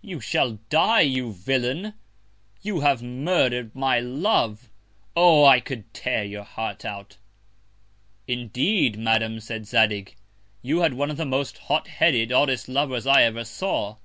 You shall die, you Villain! You have murder'd my Love. Oh! I could tear your Heart out. Indeed, Madam, said Zadig, you had one of the most hot headed, oddest Lovers I ever saw.